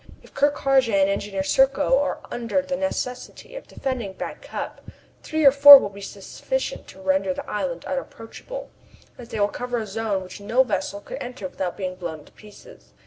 If Ker Karraje and Engineer Serko are under the necessity of defending Back Cup, three or four will be sufficient to render the island unapproachable, as they will cover a zone which no vessel could enter without being blown to pieces.